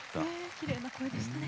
きれいな声でしたね。